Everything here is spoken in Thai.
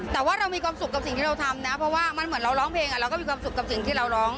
แต่ว่าเรามีความสุขกับสิ่งที่เราทำนะเพราะว่ามันเหมือนเราร้องเพลงเราก็มีความสุขกับสิ่งที่เราร้อง